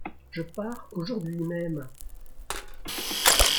Je pars aujourd’hui même !